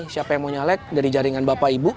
siapa yang mau nyalek dari jaringan bapak ibu